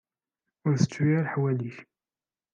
Ur ttettu ara leḥwal-ik.